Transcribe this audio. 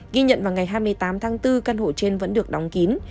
ghi nhận vào ngày hai mươi tám tháng bốn căn hộ trên vẫn được đóng kín